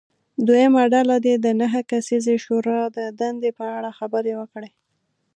دویمه ډله دې د نهه کسیزې شورا د دندې په اړه خبرې وکړي.